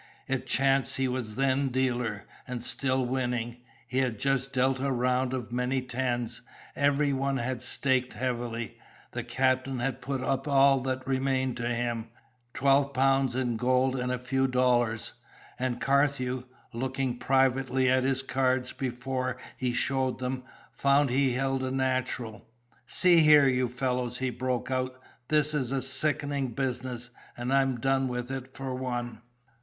It chanced he was then dealer, and still winning. He had just dealt a round of many tens; every one had staked heavily; the captain had put up all that remained to him, twelve pounds in gold and a few dollars; and Carthew, looking privately at his cards before he showed them, found he held a natural. "See here, you fellows," he broke out, "this is a sickening business, and I'm done with it for one."